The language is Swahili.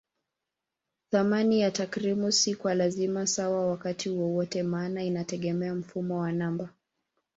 Thamani ya tarakimu si kwa lazima sawa wakati wowote maana inategemea mfumo wa namba.